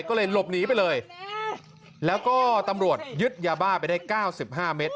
ก็เลยหลบหนีไปเลยแล้วก็ตำรวจยึดยาบ้าไปได้๙๕เมตร